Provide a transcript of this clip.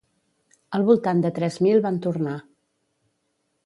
Al voltant de tres mil van tornar.